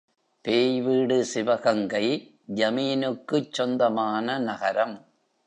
பேய் வீடு சிவகங்கை, ஜமீனுக்குச் சொந்தமான நகரம்.